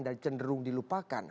dan cenderung dilupakan